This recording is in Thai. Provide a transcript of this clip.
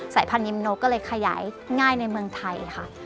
พันธมิมนกก็เลยขยายง่ายในเมืองไทยค่ะ